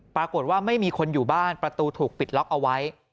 ปรากฏว่าไม่มีคนอยู่บ้านประตูถูกปิดล็อกเอาไว้